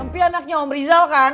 mimpi anaknya om rizal kan